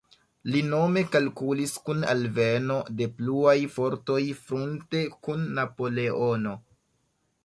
Li nome kalkulis kun alveno de pluaj fortoj frunte kun Napoleono.